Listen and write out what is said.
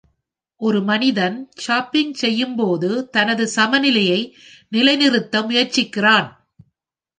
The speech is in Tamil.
ஒரு மனிதன் சர்ஃபிங் செய்யும்போது தனது சமநிலையை நிலைநிறுத்த முயற்சிக்கிறான்